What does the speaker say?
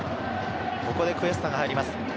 ここでクエスタが入ります。